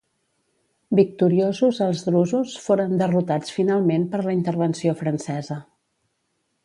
Victoriosos els drusos, foren derrotats finalment per la intervenció francesa.